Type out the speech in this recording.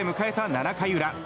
７回裏。